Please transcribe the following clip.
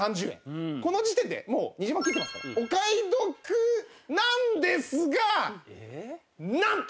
この時点でもう２０万切ってますからお買い得なんですがなんと。